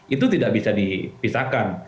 itu tidak bisa dipisahkan